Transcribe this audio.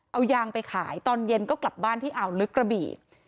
เอายางไปขายตอนเย็นก็กลับบ้านที่อ่าวลึกกระบี่